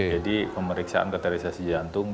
jadi pemeriksaan katheterisasi jantung